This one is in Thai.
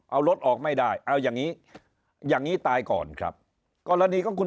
เอารถออกไม่ได้เอาอย่างนี้อย่างนี้ตายก่อนครับกรณีของคุณ